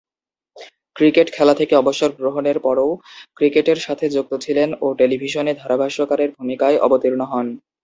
Cricket খেলা থেকে অবসর গ্রহণের পরও ক্রিকেটের সাথে যুক্ত ছিলেন ও টেলিভিশনে ধারাভাষ্যকারের ভূমিকায় অবতীর্ণ হন।